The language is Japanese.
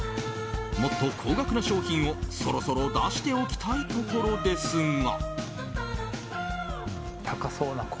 もっと高額な商品を、そろそろ出しておきたいところですが。